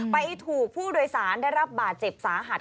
ไปถูกผู้โดยสารได้รับบาดเจ็บสาหัส